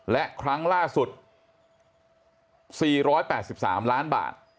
และครั้งล่าสุด๔๘๓ล้านบาท